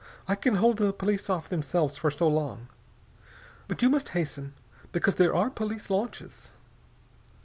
I can hold off the police themselves for so long. But you must hasten, because there are police launches."